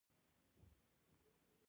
ټول لوري د جګړې لپاره خپل خاص دلایل لري